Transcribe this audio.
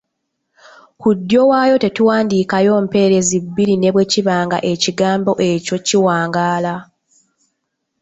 Ku ddyo waayo tetuwandiikayo mpereezi bbiri ne bwe kiba nga ekigambo ekyo kiwangaala.